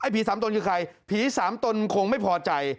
ผีสามตนคือใครผีสามตนคงไม่พอใจ